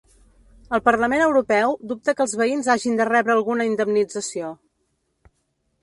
El Parlament Europeu dubta que els veïns hagin de rebre alguna indemnització